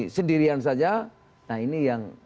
sendirian saja nah ini yang